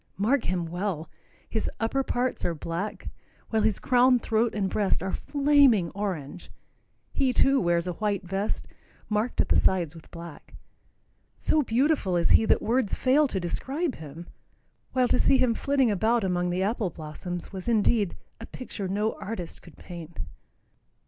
Mark him well. His upper parts are black, while his crown, throat and breast are flaming orange. He, too, wears a white vest, marked at the sides with black. So beautiful is he that words fail to describe him, while to see him flitting about among the apple blossoms was indeed "a picture no artist could paint."